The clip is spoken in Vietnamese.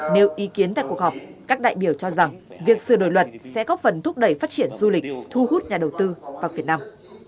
nếu ý kiến tại cuộc họp các đại biểu cho rằng việc sửa đổi luật sẽ góp phần thúc đẩy phát triển du lịch thu hút nhà đầu tư vào việt nam